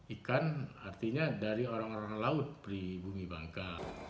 ikan artinya dari orang orang laut pribumi bangka